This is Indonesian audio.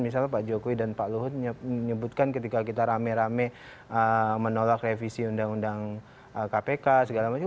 misalnya pak jokowi dan pak luhut menyebutkan ketika kita rame rame menolak revisi undang undang kpk segala macam